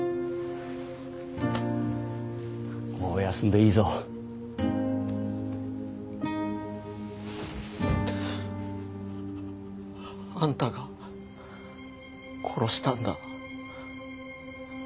もう休んでいいぞ。あんたが殺したんだ。